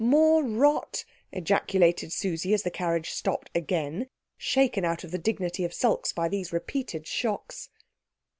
More rot?" ejaculated Susie as the carriage stopped again, shaken out of the dignity of sulks by these repeated shocks.